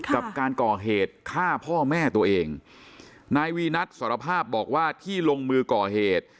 กับการก่อเหตุฆ่าพ่อแม่ตัวเองนายวีนัทสารภาพบอกว่าที่ลงมือก่อเหตุ